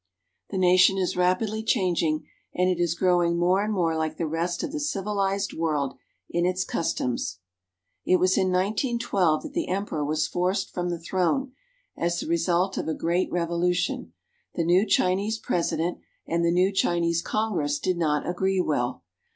The nation is rapidly changing, and it is growing more and more like the rest of the civilized world in its customs. It was in 191 2 that the Emperor was forced from the throne, as the result of a great revolution. The new Chi nese President and the new Chinese Congress did not agree well.